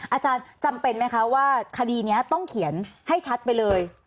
อาจารย์จำเป็นไหมคะว่าคดีนี้ต้องเขียนให้ชัดไปเลย